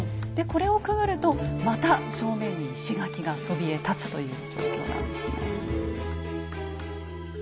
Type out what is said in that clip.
でこれをくぐるとまた正面に石垣がそびえ立つという状況なんですね。